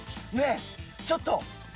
ねえちょっと！